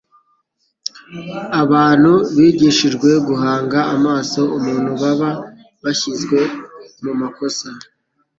Abantu bigishijwe guhanga amaso umuntu baba bashyizwe mu makosa